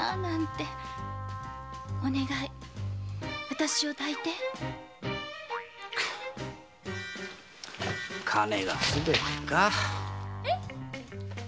私を抱いて金がすべてか。